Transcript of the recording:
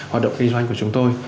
hoạt động kinh doanh của chúng tôi